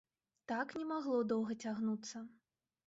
Так не магло доўга цягнуцца.